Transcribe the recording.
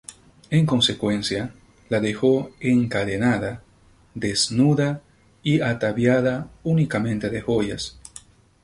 En consecuencia, la dejó encadenada, desnuda y ataviada únicamente de joyas.